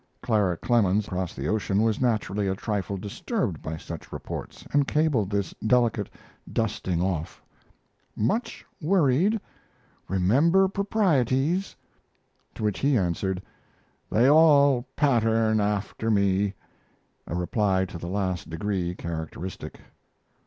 Clara Clemens, across the ocean, was naturally a trifle disturbed by such reports, and cabled this delicate "dusting off": "Much worried. Remember proprieties." To which he answered: "They all pattern after me," a reply to the last degree characteristic.